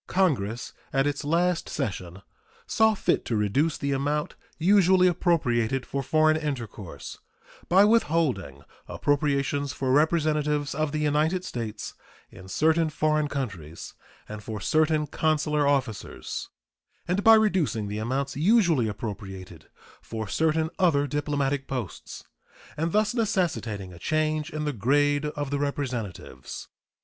Congress at its last session saw fit to reduce the amount usually appropriated for foreign intercourse by withholding appropriations for representatives of the United States in certain foreign countries and for certain consular officers, and by reducing the amounts usually appropriated for certain other diplomatic posts, and thus necessitating a change in the grade of the representatives.